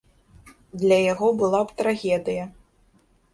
Для яго была б трагедыя.